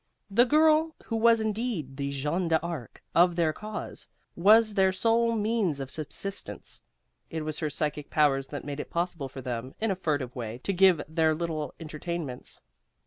The girl, who was indeed the Jeanne d'Arc of their cause, was their sole means of subsistence. It was her psychic powers that made it possible for them, in a furtive way, to give their little entertainments.